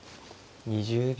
２０秒。